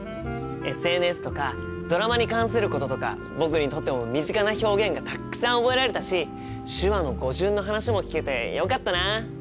ＳＮＳとかドラマに関することとか僕にとっても身近な表現がたっくさん覚えられたし手話の語順の話も聞けてよかったな。